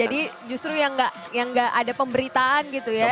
jadi justru yang tidak ada pemberitaan gitu ya